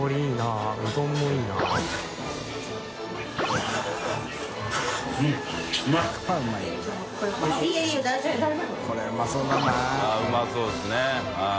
あっうまそうですね。